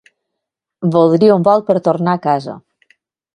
Voldria un vol per tornar a casa.